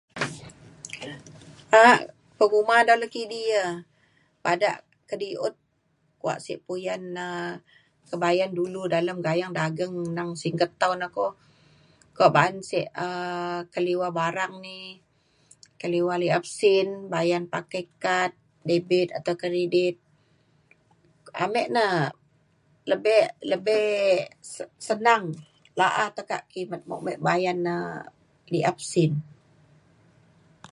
a'ak penguma do nekidi ia' bada kediut kuak si puyan na ke bayan dulu dalem bayan dageng nang singget tau na ko ko ba'an sek um keliwa barang ni keliwa liep sin bayan pakai kad debit atau kredit. ame na lebek lebek s- senang la'a tekak kimet mok me bayan na liap sin